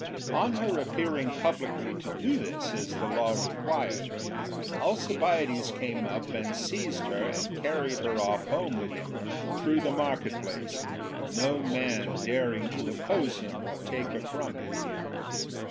On her appearing publicly to do this, as the law required, Alcibiades came up and seized her and carried her off home with him through the market place, no man daring to oppose him or take her from him.